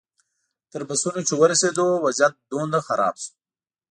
تر بسونو چې ورسېدو وضعیت دومره خراب شو.